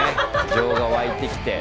情が湧いてきて。